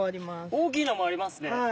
大きいのもありますね。